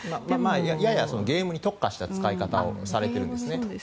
やや、ゲームに特化した使い方をされてるんですね。